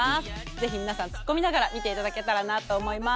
是非皆さんツッコミながら見て頂けたらなと思います。